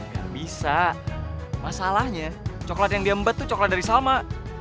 gak bisa masalahnya coklat yang dia embat tuh coklat dari sama